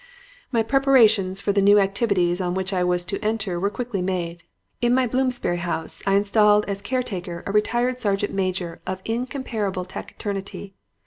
"My preparations for the new activities on which I was to enter were quickly made. In my Bloomsbury house I installed as caretaker a retired sergeant major of incomparable taciturnity.